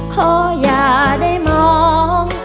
ขออย่าได้มอง